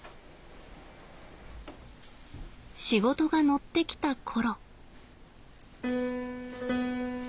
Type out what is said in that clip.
仕事が乗ってきた頃。